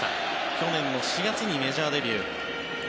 去年の４月にメジャーデビュー。